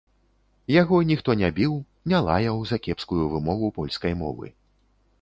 Яго ніхто не біў, не лаяў за кепскую вымову польскай мовы.